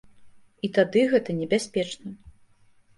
І тады гэта небяспечна.